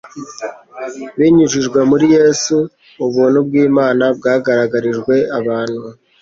Binyujijwe muri Yesu, ubuntu bw'Imana bwagaragarijwe abantu;